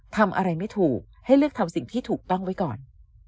ทำอะไรไม่ถูกให้เลือกทำสิ่งที่ถูกต้องไว้ก่อน